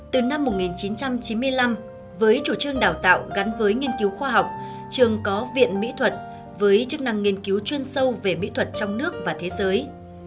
từ năm một nghìn chín trăm chín mươi năm với chủ trương đào tạo gắn với nghiên cứu khoa học trường có viện mỹ thuật với chức năng nghiên cứu chuyên sâu về mỹ thuật trong nước và thế giới